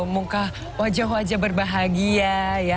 mungkah wajah wajah berbahagia ya